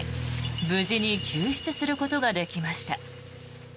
無事に救出することができました。